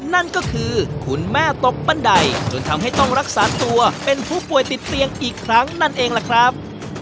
นั่นก็คือคุณแม่ตกบันไดจนทำให้ต้องรักษาตัวเป็นผู้ป่วยติดเตียงอีกครั้งนั่นเองล่ะครับ